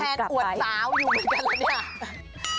อันนี้ก็รำแพนอวดสาวอยู่เหมือนกันแล้วเนี่ย